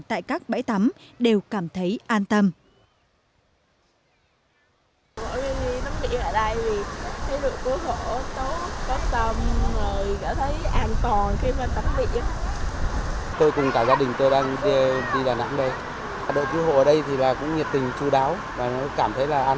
tại các bãi tắm đều cảm thấy an tâm